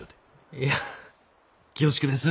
いや恐縮です。